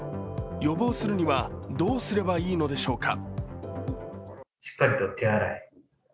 予防するにはどうすればいいのでしょうか。